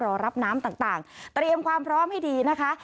รอรับน้ำต่างเตรียมความพร้อมให้ดีนะคะ